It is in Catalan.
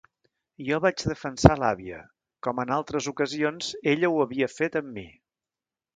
Jo vaig defensar l'àvia, com en altres ocasions ella ho havia fet amb mi.